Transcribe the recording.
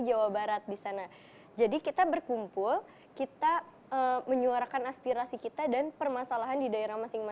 jawa barat di sana jadi kita berkumpul kita menyuarakan aspirasi kita dan permasalahan di